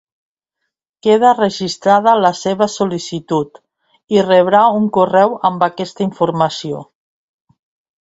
Queda registrada la seva sol·licitud i rebrà un correu amb aquesta informació.